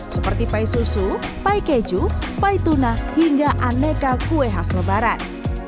seperti pai susu pai keju pai tuna hingga aneka kue khas lebaran